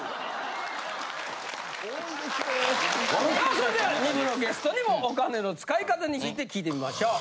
それでは２部のゲストにもお金の使い方について聞いてみましょう。